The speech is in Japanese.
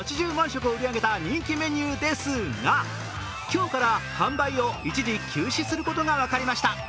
食を売り上げた人気メニューですが、今日から販売を一時休止することが分かりました。